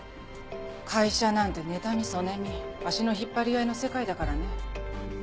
会社なんて妬み嫉み足の引っ張り合いの世界だからね。